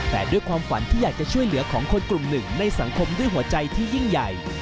แต่ด้วยความฝันที่อยากจะช่วยเหลือของคนกลุ่มหนึ่งในสังคมด้วยหัวใจที่ยิ่งใหญ่